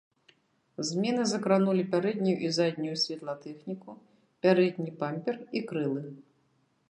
Змены закранулі пярэднюю і заднюю святлатэхніку, пярэдні бампер і крылы.